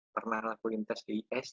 pernah lakuin tes di ist